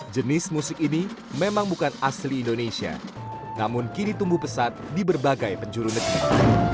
jenis musik ini memang bukan asli indonesia namun kini tumbuh pesat di berbagai penjuru negeri